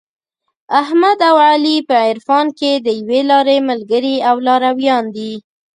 احمد او علي په عرفان کې د یوې لارې ملګري او لارویان دي.